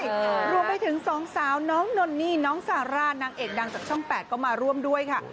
รวมไปถึงสองสาวน้องนนนี่น้องซาร่านางเอกดังจากช่องแปดก็มาร่วมด้วยค่ะ